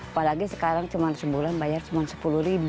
apalagi sekarang cuma sebulan bayar cuma rp sepuluh